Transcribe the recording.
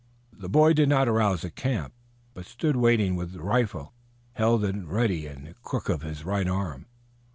The boy did not arouse the camp, but stood waiting with rifle held at ready in the crook of his right arm.